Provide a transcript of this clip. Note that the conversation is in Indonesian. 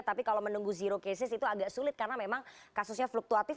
tapi kalau menunggu zero cases itu agak sulit karena memang kasusnya fluktuatif